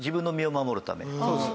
そうです。